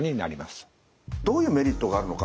どういうメリットがあるのか